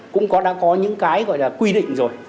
cũng đã có những cái gọi là quy định rồi